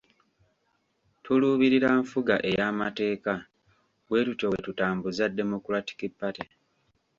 Tuluubirira nfuga ey'amateeka, bwetutyo bwe tutambuza Democratic Party